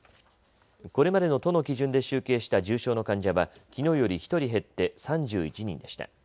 これまでの都の基準で集計した重症の患者はきのうより１人減って３１人でした。